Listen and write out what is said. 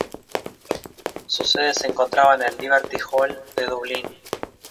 Su sede se encontraba en el Liberty Hall de Dublín.